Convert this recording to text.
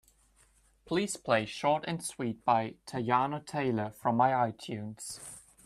Please play Short And Sweet by Teyana Taylor from my itunes.